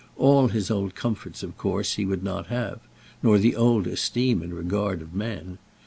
All his old comforts of course he would not have, nor the old esteem and regard of men.